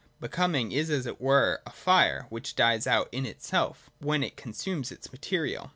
(Becoming is as it were a fire, which dies out in itself, when it consumes its material.